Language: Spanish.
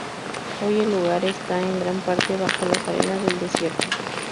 Hoy el lugar esta en gran parte bajo las arenas del desierto.